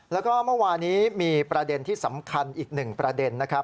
แล้วก็เมื่อวานี้มีประเด็นที่สำคัญอีกหนึ่งประเด็นนะครับ